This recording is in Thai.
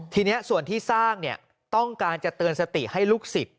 ทีนี้ส่วนที่สร้างต้องการจะเตือนสติให้ลูกศิษย์